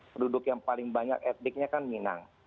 penduduk yang paling banyak etniknya kan minang